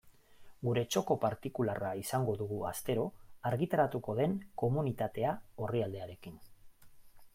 Gure txoko partikularra izango dugu astero argitaratuko den Komunitatea orrialdearekin.